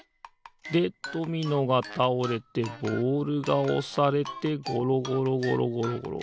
でドミノがたおれてボールがおされてごろごろごろごろ。